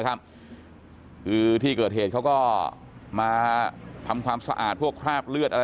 คือที่เกิดเหตุเขาก็มาทำความสะอาดพวกคราบเลือดอะไร